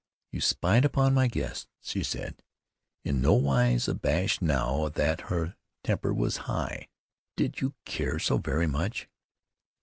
"You spied upon my guests," she said, in no wise abashed now that her temper was high. "Did you care so very much?"